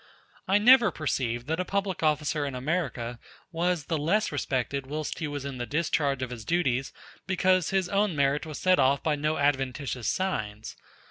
I never perceived that a public officer in America was the less respected whilst he was in the discharge of his duties because his own merit was set off by no adventitious signs.